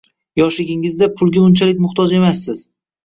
Yoshligingizda pulga unchalik muhtoj emassiz.